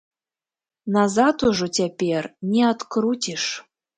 Назад ужо цяпер не адкруціш!